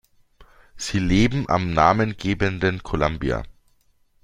Sie leben am namengebenden Columbia.